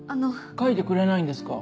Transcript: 描いてくれないんですか？